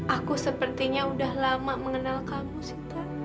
aku sepertinya udah lama mengenal kamu sih